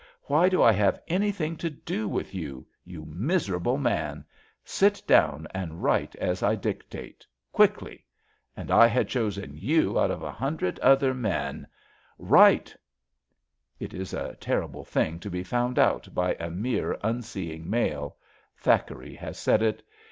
Why do I have anything to do with you? You miserable manl Sit down and write as I dictate. Quickly! And I had chosen you out of a hundred other ment Write I '' It is a terrible thing to be found out by a mere unseeing male — ^Thackeray has said it.